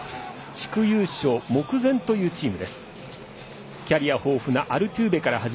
地区優勝目前というチーム。